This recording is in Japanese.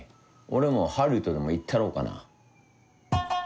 俺もハリウッドでも行ったろうかな。